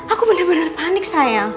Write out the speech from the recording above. aku bener bener panik sayang